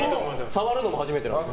触るのも初めてなので。